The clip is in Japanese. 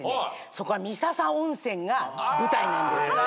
そこは三朝温泉が舞台なんです。